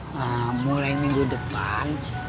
kamu leng minggu depan